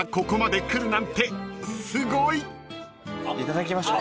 いただきましょう。